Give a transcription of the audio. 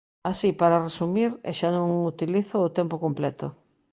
Así, para resumir, e xa non utilizo o tempo completo.